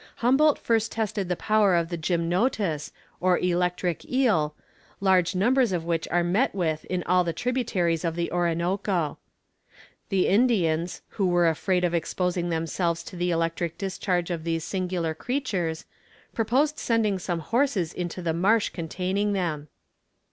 Humboldt first tested the power of the gymnotus, or electric eel, large numbers of which are met with in all the tributaries of the Orinoco. The Indians, who were afraid of exposing themselves to the electric discharge of these singular creatures, proposed sending some horses into the marsh containing them.